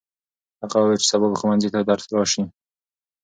هغه وویل چې سبا به ښوونځي ته راسې.